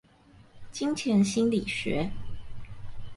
金錢心理學